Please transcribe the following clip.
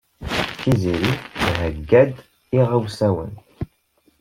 Tiziri theyya-d iɣawasen.